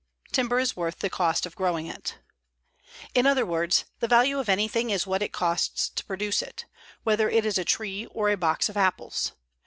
TIMBER IS WORTH THE COST OF GROWING IT In other words, the value of anything is what it costs to produce it, whether it is a tree or a box of apples.